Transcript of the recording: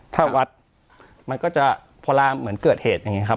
ถ้าวัดมันก็จะพอลาเหมือนเกิดเหตุอย่างนี้ครับ